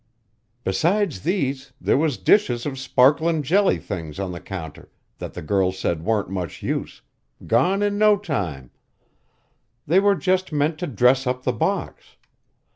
"Besides these, there was dishes of sparklin' jelly things on the counter, that the girl said warn't much use gone in no time; they were just meant to dress up the box.